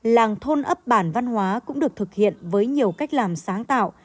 làng thôn ấp bản văn hóa cũng được thực hiện với nhiều cách làm sáng tạo